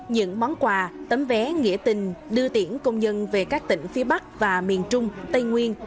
những món quà tấm vé nghĩa tình đưa tiễn công nhân về các tỉnh phía bắc và miền trung tây nguyên